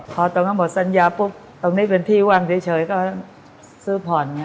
พอตรงนั้นหมดสัญญาปุ๊บตรงนี้เป็นที่ว่างเฉยก็ซื้อผ่อนไง